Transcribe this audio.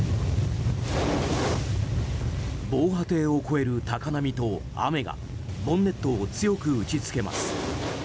防波堤を越える高波と雨がボンネットを強く打ちつけます。